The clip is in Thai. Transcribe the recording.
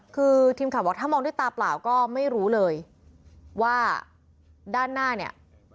คือทีมข่าวบอกถ้ามองด้วยตาเปล่าก็ไม่รู้เลยว่าด้านหน้าเนี่ย